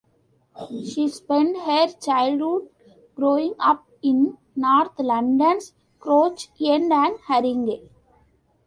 She spent her childhood growing up in north London's Crouch End and Harringay.